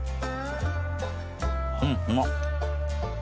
うんうまっ。